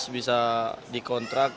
tujuh belas bisa dikontrak